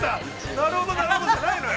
◆なるほど、なるほど、じゃないのよ。